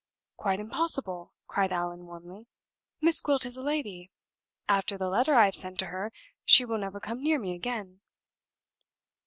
"Quite impossible!" cried Allan, warmly. "Miss Gwilt is a lady; after the letter I have sent to her, she will never come near me again."